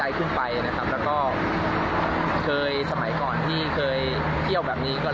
ไม่คิดว่าจะเป็นกระแสขนาดนี้